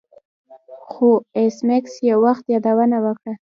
خو ایس میکس یو وخت یادونه وکړه